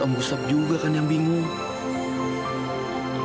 om gustaf juga kan yang bingung